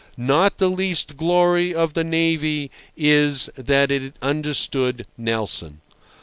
Not the least glory of the navy is that it understood Nelson.